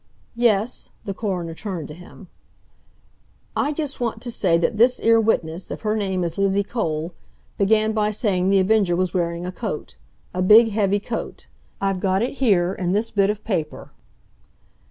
"Yes?" the coroner turned to him. "I just want to say that this 'ere witness—if her name is Lizzie Cole, began by saying The Avenger was wearing a coat—a big, heavy coat. I've got it here, in this bit of paper."